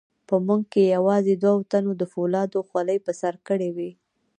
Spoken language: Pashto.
په موږ کې یوازې دوو تنو د فولادو خولۍ په سر کړې وې.